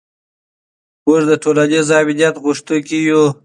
موږ د ټولنیز امنیت غوښتونکي یو.